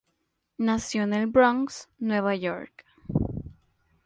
Nació en el Bronx, Nueva York.